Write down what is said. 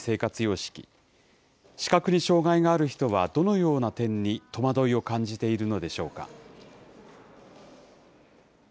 視覚に障害がある人はどのような点に戸惑いを感じているのでしょうか。